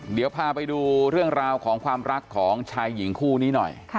เดี๋ยวพาไปดูเรื่องราวของความรักของชายหญิงคู่นี้หน่อย